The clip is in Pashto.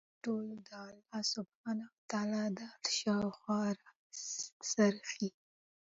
نو دا ټول د الله سبحانه وتعالی د عرش شاوخوا راڅرخي